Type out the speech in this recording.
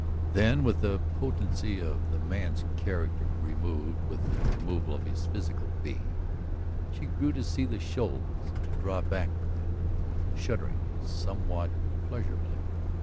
Then, with the potency of the man's character removed with the removal of his physical being, she grew to see the shoals and to draw back from them, shuddering somewhat pleasurably.